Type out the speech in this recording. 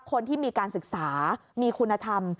คนที่มีการศึกษามีคุณธรรม